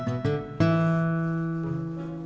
mak aku mau ke rumah